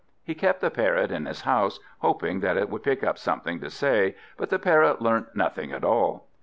He kept the Parrot in his house, hoping that it would pick up something to say, but the Parrot learnt nothing at all.